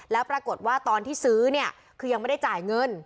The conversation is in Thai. แล้วปรากฏว่าตอนที่ซื้อเนี่ยคือยังไม่ได้จ่ายเงิน